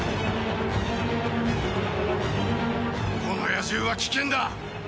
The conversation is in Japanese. この野獣は危険だ。